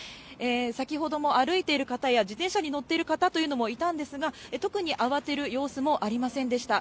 先ほども歩いてる方や自転車に乗っている方というのもいたんですが、特に慌てる様子もありませんでした。